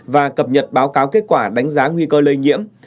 và cập nhật báo cáo kết quả đánh giá nguy cơ lây nhiễm